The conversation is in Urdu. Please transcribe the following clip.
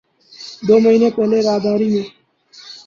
دو مہینے پہلے راہداری میں